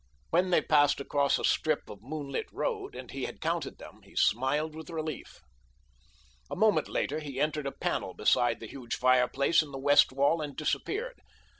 When they passed across a strip of moonlit road, and he had counted them, he smiled with relief. A moment later he entered a panel beside the huge fireplace in the west wall and disappeared.